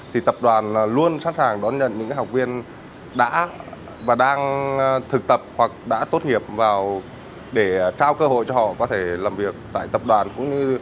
thì tập đoàn luôn sẵn sàng đón nhận những học viên đã và đang thực tập hoặc đã tốt nghiệp vào để trao cơ hội cho họ có thể làm việc tại tập đoàn cũng như